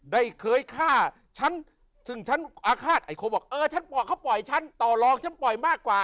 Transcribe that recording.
ได้เคยฆ่าฉันซึ่งฉันอาฆาตไอ้คนบอกเออฉันปล่อยเขาปล่อยฉันต่อลองฉันปล่อยมากกว่า